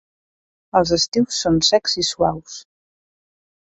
Els estius són secs i suaus.